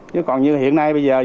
chứ còn như hiện nay bây giờ